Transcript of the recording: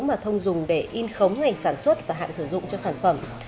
mà thông dùng để in khống ngành sản xuất và hạn sử dụng cho sản phẩm